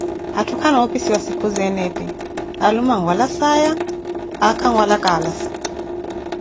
atthu kannoopissiwa sikizeene epi, alume anwala saaya, aakha anwala kaalasa.